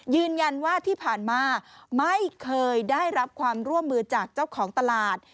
ยืนยันว่าที่ผ่านมาไม่เคยได้รับความร่วมมือจากเจ้าของตลาด